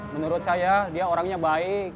menurut saya dia orangnya baik